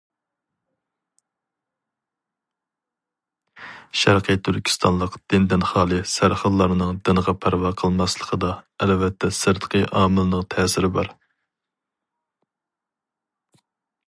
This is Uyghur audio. شەرقىي تۈركىستانلىق دىندىن خالىي سەرخىللارنىڭ دىنغا پەرۋا قىلماسلىقىدا ئەلۋەتتە سىرتقى ئامىلنىڭ تەسىرى بار.